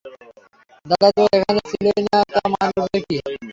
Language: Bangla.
দাদা তোর এখানে ছিলই না তা মারবে কী করে।